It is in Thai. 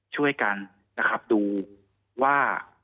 ช่วยกันนะครับดูว่า